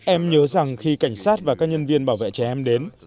em nhớ rằng khi cảnh sát và các nhân viên bảo vệ trẻ em đến